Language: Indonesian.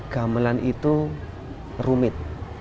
gamelan itu rumit